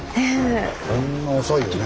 あんな浅いよね。